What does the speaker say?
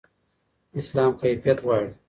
اسلام کیفیت غواړي.